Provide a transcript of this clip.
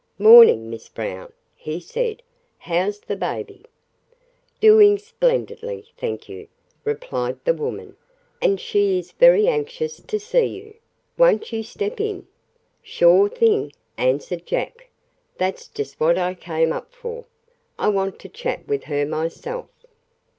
"Morning, Miss Brown," he said. "How's the baby?" "Doing splendidly, thank you," replied the woman, "and she is very anxious to see you. Won't you step in?" "Sure thing," answered Jack. "That's just what I came up for. I want to chat with her myself."